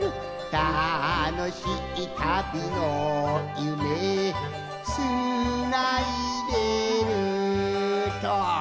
「たのしいたびのゆめつないでる」と。